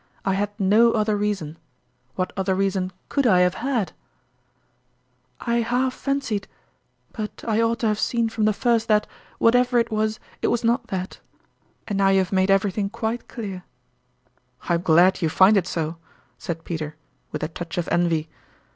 "I had no other reason. What other reason could I have had ?"" I half fancied but I ought to have seen from the first that, whatever it was, it was not that. And now you have made everything quite clear." " I am glad you find it so," said Peter, with a touch of envy.